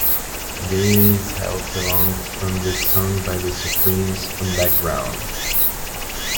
Gaye is helped along on this song by The Supremes on background.